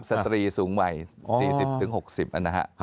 เป็นสตรีสูงไว๔๐๖๐อันนะฮะ